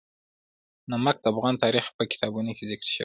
نمک د افغان تاریخ په کتابونو کې ذکر شوی دي.